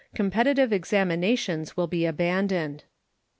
Competitive examinations will be abandoned.